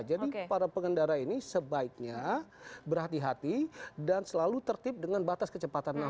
jadi para pengendara ini sebaiknya berhati hati dan selalu tertip dengan batas kecepatan enam puluh